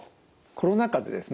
コロナ禍でですね